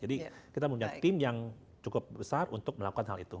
jadi kita memiliki tim yang cukup besar untuk melakukan hal itu